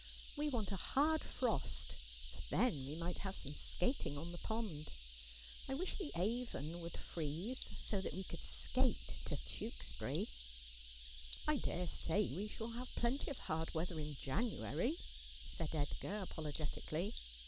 We want a hard frost, for then we might have some skating on the pond. I wish the Avon would freeze, so that we could skate to Tewkesbury.' ' I daresay we shall have plenty of hard weather in January,' said Edgar apologetically.